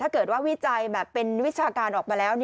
ถ้าเกิดว่าวิจัยแบบเป็นวิชาการออกมาแล้ว